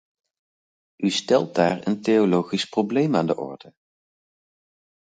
U stelt daar een theologisch probleem aan de orde.